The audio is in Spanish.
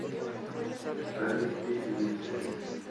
Actualmente sigue en servicio.